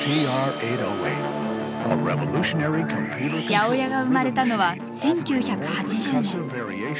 ８０８が生まれたのは１９８０年。